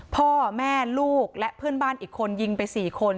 พ่อแม่ลูกและเพื่อนบ้านอีกคนยิงไป๔คน